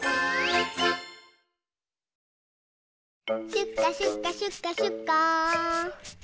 シュッカシュッカシュッカシュッカー。